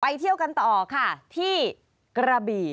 เที่ยวกันต่อค่ะที่กระบี่